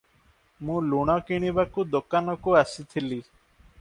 ମୁଁ ଲୁଣ କିଣିବାକୁ ଦୋକାନକୁ ଆସିଥିଲି ।